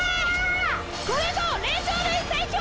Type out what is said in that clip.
これぞ霊長類最強！